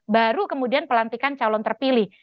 baru kemudian pelantikan calon terpilih